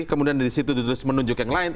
kemudian dari situ terus menunjuk yang lain